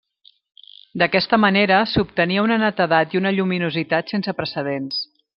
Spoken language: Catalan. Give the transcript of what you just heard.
D'aquesta manera s'obtenia una netedat i una lluminositat sense precedents.